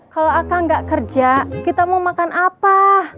kalau akang gak kerja kita mau makan apa